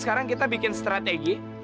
ternyata kita bisa giltar tiga belas beres